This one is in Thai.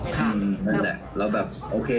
นั่นแหละแล้วแบบโอเค